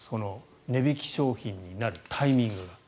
値引き商品になるタイミングが。